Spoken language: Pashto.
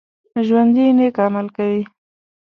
ژوندي نیک عمل کوي